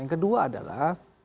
yang kedua adalah